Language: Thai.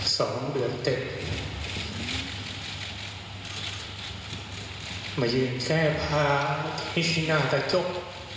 สองเดือนเจ็ด